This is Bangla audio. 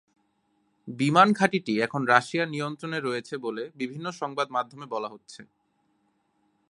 বিমান ঘাঁটিটি এখন রাশিয়ার নিয়ন্ত্রণে রয়েছে বলে বিভিন্ন সংবাদ মাধ্যমে বলা হচ্ছে।